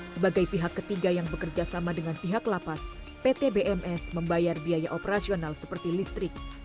sebagai pihak ketiga yang bekerja sama dengan pihak lapas pt bms membayar biaya operasional seperti listrik